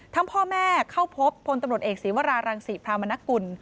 พ่อแม่เข้าพบพลตำรวจเอกศีวรารังศรีพรามนกุล